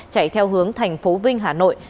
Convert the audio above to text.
chạy theo hướng tp vinh hà nội